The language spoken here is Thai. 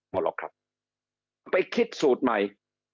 หมดหรอกครับไปคิดสูตรใหม่